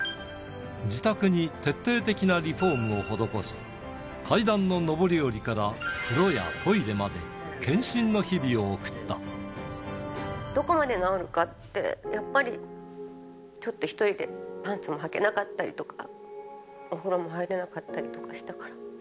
自宅に徹底的なリフォームを施し、階段の上り下りから、風呂やトイレまで、献身の日々をどこまで治るかって、やっぱり、ちょっと一人でパンツもはけなかったりとか、お風呂も入れなかったりとかしたから。